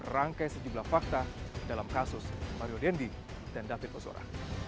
rangkai sejumlah fakta dalam kasus mario dendi dan david ozora